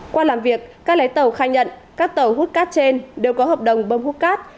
qua làm việc các lái tàu khai nhận các tàu hút cát trên đều có hợp đồng bơm hút cát